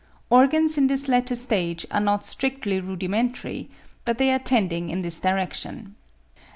Organs in this latter state are not strictly rudimentary, but they are tending in this direction.